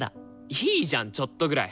いいじゃんちょっとぐらい！